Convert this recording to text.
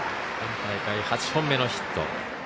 今大会８本目のヒット。